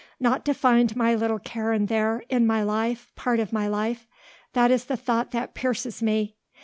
Not to find my little Karen there, in my life, part of my life; that is the thought that pierces me.